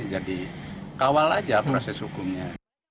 jadi kawal aja proses hukumnya